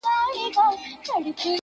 o در جارېږم مقدسي له رِضوانه ښایسته یې,